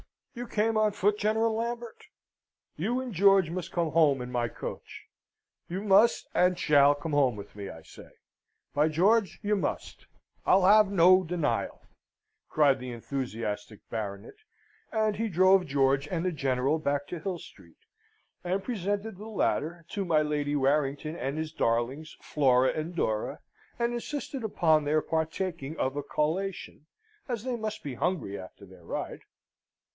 You came on foot, General Lambert? You and George must come home in my coach. You must and shall come home with me, I say. By George, you must! I'll have no denial," cried the enthusiastic Baronet; and he drove George and the General back to Hill Street, and presented the latter to my Lady Warrington and his darlings, Flora and Dora, and insisted upon their partaking of a collation, as they must be hungry after their ride.